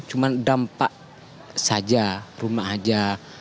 cuma dampak saja rumah aja